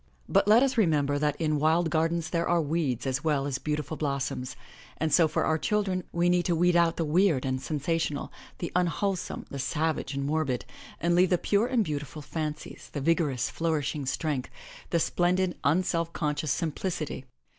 But let us remember that in wild gardens there are weeds as well as beautiful blossoms, and so for our children, we need to weed out the weird and sensational, the unwholesome, the savage and morbid, and leave the pure and beautiful fancies, the vigorous, flourishing strength, the splendid, unself conscious simplicity.